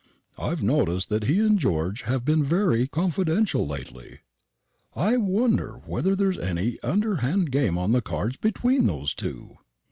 I've noticed that he and George have been very confidential lately. I wonder whether there's any underhand game on the cards between those two."